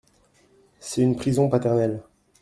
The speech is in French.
C'est une prison paternelle.